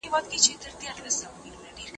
ابن خلدون د حکومتونو د سقوط لاملونه وڅېړل.